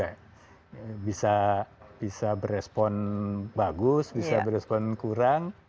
nah tubuh kita juga bisa berespon bagus bisa berespon kurang